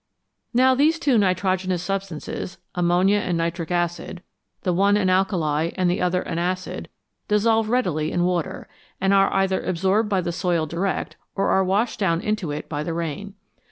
Now these two nitrogenous substances, ammonia and nitric acid, the one an alkali and the other an acid, dissolve easily in water, and are either absorbed by the soil direct, or are washed down into it by the rain.